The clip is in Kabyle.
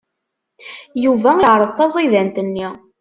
Yuba iɛṛeḍ taẓidant-nni.